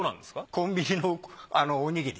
コンビニのおにぎり。